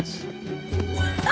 あ！